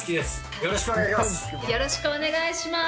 よろしくお願いします。